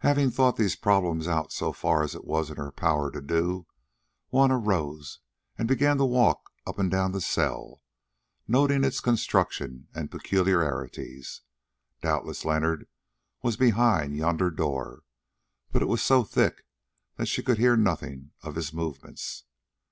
Having thought these problems out so far as it was in her power to do, Juanna rose and began to walk up and down the cell, noting its construction and peculiarities. Doubtless Leonard was behind yonder door, but it was so thick that she could hear nothing of his movements.